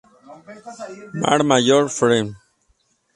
Mar-mayo, fr.